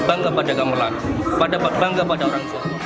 bangga pada gamelan bangga pada orang jawa